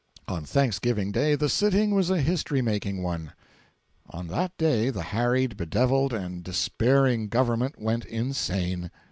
On Thanksgiving Day the sitting was a history making one. On that day the harried, bedevilled, and despairing government went insane.